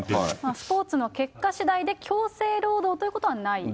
スポーツの結果しだいで、強制労働ということはないそうです